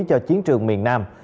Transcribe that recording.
cho chiến trường miền nam